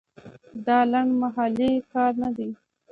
دا لنډمهالی کار نه دی.